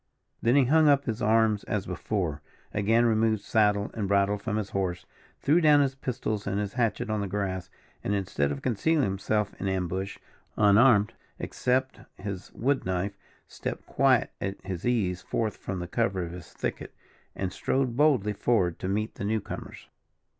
Then he hung up his arms as before, again removed saddle and bridle from his horse, threw down his pistols and his hatchet on the grass, and, instead of concealing himself in ambush, unarmed, except his wood knife, stepped quite at his ease forth from the cover of his thicket, and strode boldly forward to meet the new comers.